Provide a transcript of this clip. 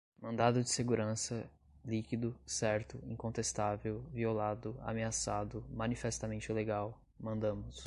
mandado de segurança, líquido, certo, incontestável, violado, ameaçado, manifestamente ilegal, mandamus